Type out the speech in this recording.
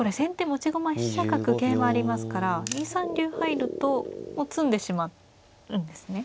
持ち駒飛車角桂馬ありますから２三竜入るともう詰んでしまうんですね。